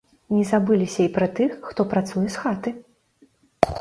Не забыліся і пра тых, хто працуе з хаты.